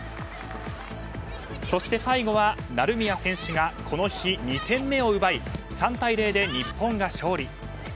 そして、最後は成宮選手がこの日、２点目を奪い３対０で日本が勝利。